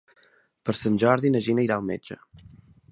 Per Sant Jordi na Gina irà al metge.